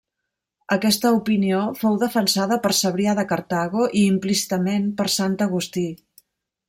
Aquesta opinió fou defensada per Cebrià de Cartago i implícitament per sant Agustí.